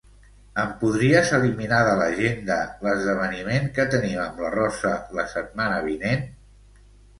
Em podries eliminar de l'agenda l'esdeveniment que tenim amb la Rosa la setmana vinent?